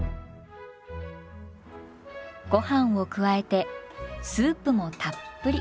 ごはんを加えてスープもたっぷり。